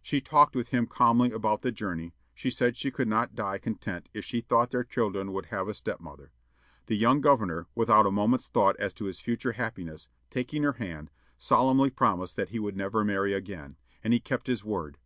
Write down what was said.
She talked with him calmly about the journey; she said she could not die content if she thought their children would have a stepmother. The young governor, without a moment's thought as to his future happiness, taking her hand, solemnly promised that he would never marry again, and he kept his word.